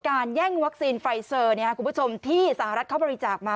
แย่งวัคซีนไฟเซอร์คุณผู้ชมที่สหรัฐเขาบริจาคมา